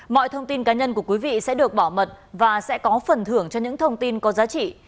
mọi thông tin cá nhân của quý vị sẽ được bảo mật và sẽ có phần thưởng cho những thông tin có giá trị